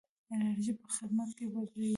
انرژي په خدمت کې بدلېږي.